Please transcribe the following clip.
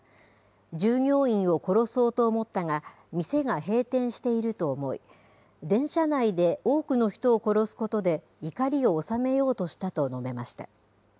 従業員を殺そうと思ったが、店が閉店していると思い、電車内で多くの人を殺すことで怒りを収めようとしたと述べました。